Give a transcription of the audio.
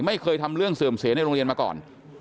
ไม่เคยทำเรื่องเสื่อมเสียในโรงเรียนมาก่อน